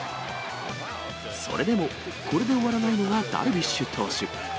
それでも、これで終わらないのがダルビッシュ投手。